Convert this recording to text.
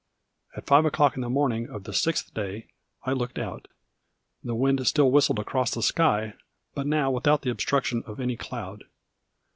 At five o'clock in the morning of the sixth day I looked out. The wind still whistled across the sky, but now without the obstruction of any cloud.